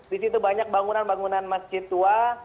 di situ banyak bangunan bangunan masjid tua